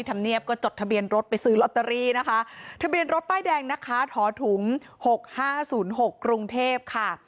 ทะเบียนรถป้ายแดงนะคะถอถุ้ม๖๕๐๖กรุงเทพฯค่ะ